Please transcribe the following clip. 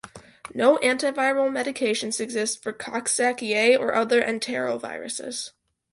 No Antiviral medications exist for Coxsackie A or other Enteroviruses.